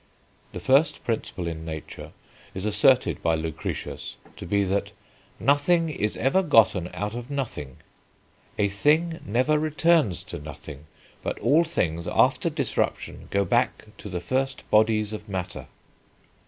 The first principle in nature is asserted by Lucretius to be that "Nothing is ever gotten out of nothing." "A thing never returns to nothing, but all things after disruption go back to the first bodies of matter."